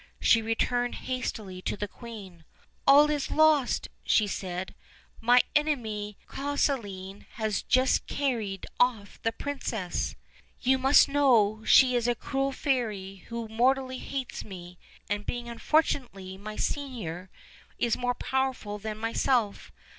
She returned hastily to the queen: "All is lost," she said, "my enemy Caucaline has just carried off the princess! you must know she is a cruel fairy who mortally hates me, and, being unfortunately my senior, is more powerful than myself.